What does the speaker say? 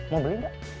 mau beli enggak